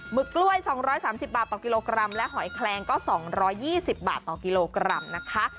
ึกกล้วย๒๓๐บาทต่อกิโลกรัมและหอยแคลงก็๒๒๐บาทต่อกิโลกรัมนะคะ